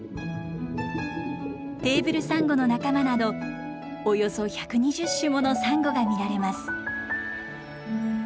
テーブルサンゴの仲間などおよそ１２０種ものサンゴが見られます。